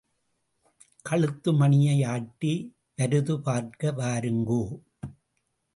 கழுத்து மணியை ஆட்டி வருது பார்க்க வாருங்கோ.